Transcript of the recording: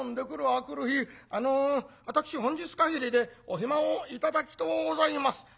明くる日「あの私本日限りでお暇を頂きとうございます」。